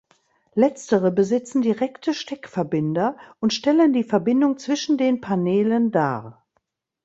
Letztere besitzen direkte Steckverbinder und stellen die Verbindung zwischen den Paneelen dar.